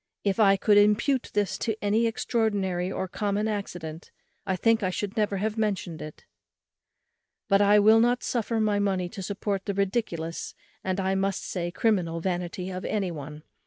If I could impute this to any extraordinary or common accident I think I should never have mentioned it; but I will not suffer my money to support the ridiculous, and, I must say, criminal vanity of any one.